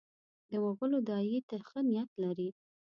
د مغولو داعیې ته ښه نیت لري.